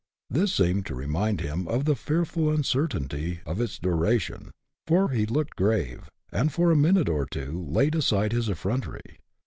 This seemed to remind him of the fearful uncertainty of its duration ; for he looked grave, and for a minute or two laid aside his effrontery.